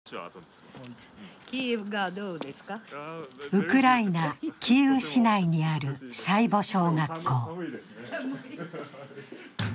ウクライナ、キーウ市内にあるシャイヴォ小学校。